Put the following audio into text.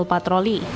tidak ada patroli